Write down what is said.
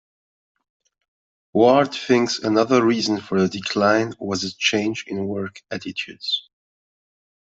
Ward thinks another reason for the decline was a change in work attitudes.